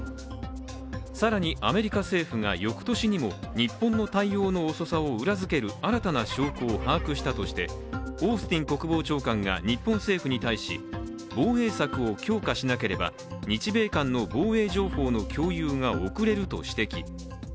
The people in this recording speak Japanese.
更に、アメリカ政府が翌年にも日本の対応の遅さを裏付ける新たな証拠を把握したとしてオースティン国防長官が日本政府に対し、防衛策を強化しなければ日米間の防衛情報の共有が遅れると指摘。